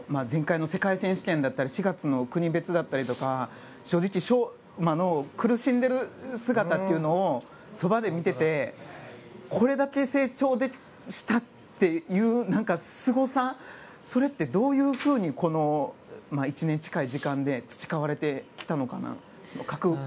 前回の世界選手権だったり４月の国別だったり、正直昌磨の苦しんでる姿というのをそばで見ていてこれだけ成長したっていうすごさ、それってどういうふうにこの１年近い時間で培われてきたのかなと。